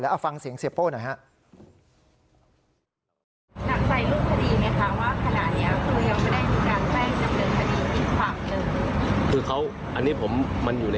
แล้วฟังเสียงเซโป้หน่อย